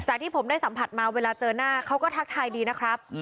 ที่ผมได้สัมผัสมาเวลาเจอหน้าเขาก็ทักทายดีนะครับ